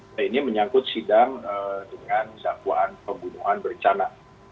dan ini menyangkut sidang dengan dakwaan pembunuhan bercana